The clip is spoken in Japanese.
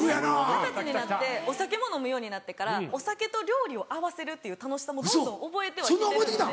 二十歳になってお酒も飲むようになってからお酒と料理を合わせるっていう楽しさもどんどん覚えては来てるので。